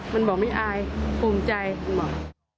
มันบอกไม่อายภูมิใจมันบอก